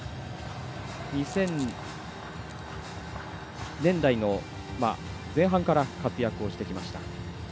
２０００年代の前半から活躍をしてきました。